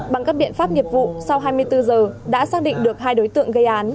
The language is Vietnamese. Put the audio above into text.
bằng các biện pháp nghiệp vụ sau hai mươi bốn giờ đã xác định được hai đối tượng gây án